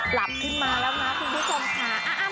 ปรับขึ้นมาแล้วนะทุกคนค่ะ